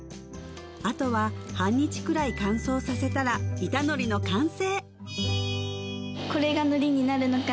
あとは半日くらい乾燥させたら板のりの完成！